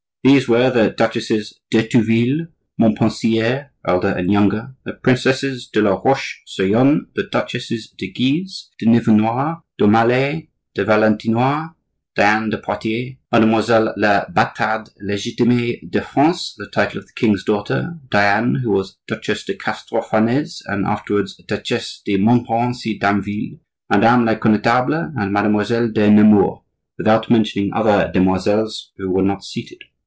These were the Duchesses d'Estouteville, Montpensier (elder and younger); the Princesses de la Roche sur Yon; the Duchesses de Guise, de Nivernois, d'Aumale, de Valentinois (Diane de Poitiers), Mademoiselle la batarde legitimee de France (the title of the king's daughter, Diane, who was Duchesse de Castro Farnese and afterwards Duchesse de Montmorency Damville), Madame la Connetable, and Mademoiselle de Nemours; without mentioning other demoiselles who were not seated.